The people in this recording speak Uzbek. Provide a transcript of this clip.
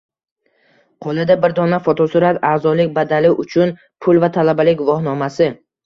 Qo`lida bir dona fotosurat, a`zolik badali uchun pul va talabalik guvohnomasi